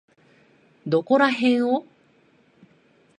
どこらへんを？